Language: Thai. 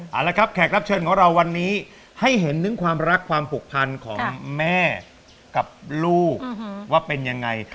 เอาละครับแขกรับเชิญของเราวันนี้ให้เห็นถึงความรักความผูกพันของแม่กับลูกว่าเป็นยังไง